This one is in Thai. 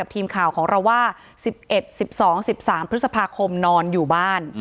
ทีมข่าวของเราว่า๑๑๑๒๑๓พฤษภาคมนอนอยู่บ้าน